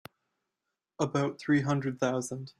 About three hundred thousand.